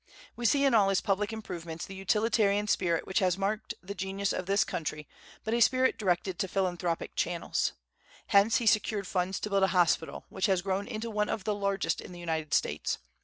We see in all his public improvements the utilitarian spirit which has marked the genius of this country, but a spirit directed into philanthropic channels. Hence he secured funds to build a hospital, which has grown into one of the largest in the United States.